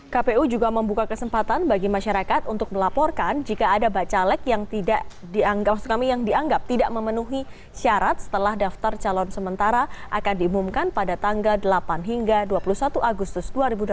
kpu juga membuka kesempatan bagi masyarakat untuk melaporkan jika ada bacalek yang dianggap tidak memenuhi syarat setelah daftar calon sementara akan diumumkan pada tanggal delapan hingga dua puluh satu agustus dua ribu delapan belas